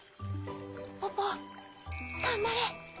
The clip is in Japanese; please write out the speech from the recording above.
ポポがんばれ！